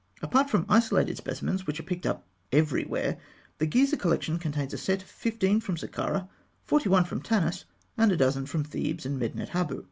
Apart from isolated specimens which are picked up everywhere, the Gizeh collection contains a set of fifteen from Sakkarah, forty one from Tanis, and a dozen from Thebes and Medinet Habû.